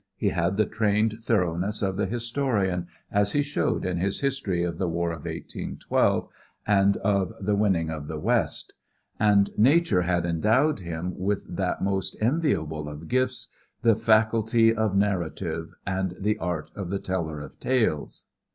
He had the trained thoroughness of the historian, as he showed in his history of the War of 1812 and of the Winning of the West, and nature had endowed him with that most enviable of gifts, the faculty of narrative and the art of the teller of tales.